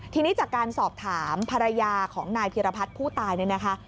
ทีนี้จากการสอบถามภรรยาของนายพิรพัฒน์ผู้ตายเนี่ยนะคะ